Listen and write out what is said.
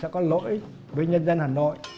có lỗi với nhân dân hà nội